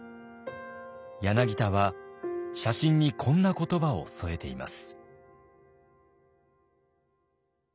柳田は写真にこんな言葉を添えています。